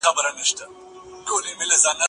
د ژمي په اوږدو شپو کې د تودو چایو څښل خوند لري.